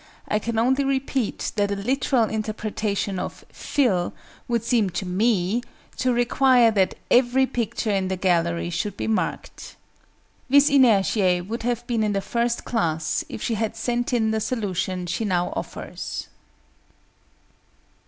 I can only repeat that a literal interpretation of "fill" would seem to me to require that every picture in the gallery should be marked. VIS INERTIÆ would have been in the First Class if she had sent in the solution she now offers.